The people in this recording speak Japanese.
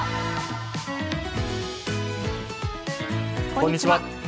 こんにちは。